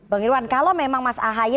bang irwan kalau memang mas ahaye